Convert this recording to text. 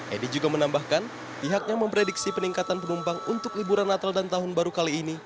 edi juga menambahkan pihak yang memprediksi peningkatan penumpang untuk liburan natal dan tahun baru kali ini